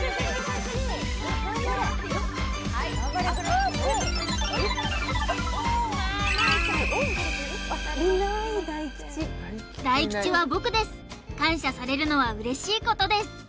よい大吉は僕です感謝されるのは嬉しいことです